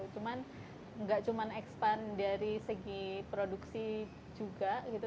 cuman nggak cuma expand dari segi produksi juga gitu